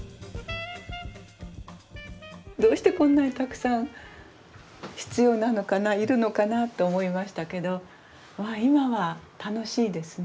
どうしてこんなにたくさん必要なのかないるのかなと思いましたけど今は楽しいですね